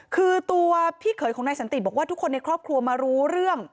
คือตัวพี่เขยของนายสันติบอกว่าทุกคนในครอบครัวมารู้เรื่อง